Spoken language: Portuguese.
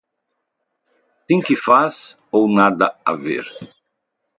É assim que faz ou nada a ver?